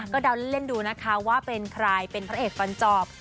ก็เดาเล่นดูนะคะว่าเป็นใครเป็นพระเอกฟันจอบ